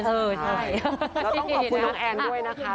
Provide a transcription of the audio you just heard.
แล้วต้องขอบคุณน้องแอนด้วยนะคะ